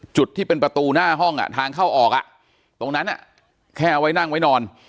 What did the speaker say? จุดที่เป็นประตูหน้าห้องทางเข้าออกตรงนั้นแค่เอาไว้นั่งไว้นอน